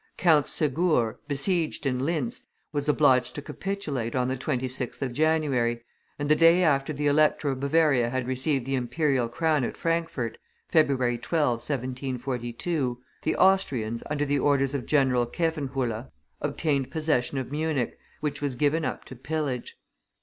Count Segur, besieged in Lintz, was obliged to capitulate on the 26th of January, and the day after the Elector of Bavaria had received the imperial crown at Frankfurt, February 12, 1742 the Austrians, under the orders of General Khevenhuller, obtained possession of Munich, which was given up to pillage.